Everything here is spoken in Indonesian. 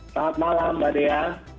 selamat malam mbak dea